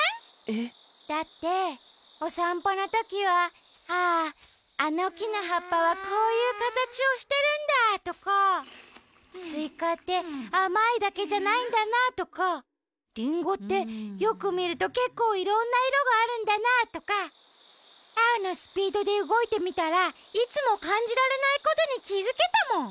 えっ？だっておさんぽのときは「あああのきのはっぱはこういうかたちをしてるんだ」とか「スイカってあまいだけじゃないんだな」とか「リンゴってよくみるとけっこういろんないろがあるんだな」とかアオのスピードでうごいてみたらいつもかんじられないことにきづけたもん。